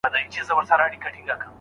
د ډاکټر لخوا د نشې تعین څنګه کیږي؟